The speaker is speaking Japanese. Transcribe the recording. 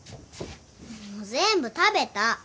もう全部食べた。